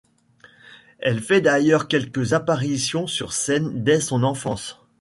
Elle fait d'ailleurs quelques apparitions sur scène dès son enfance.